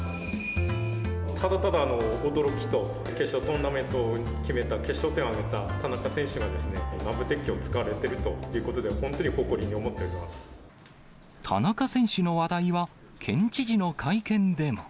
ただただ驚きと、決勝トーナメントを決めた、決勝点を挙げた田中選手が南部鉄器を使われているということで、田中選手の話題は、県知事の会見でも。